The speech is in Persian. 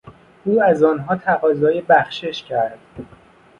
او از آنها تقاضای بخشش کرد.